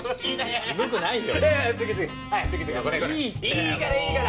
いいからいいから！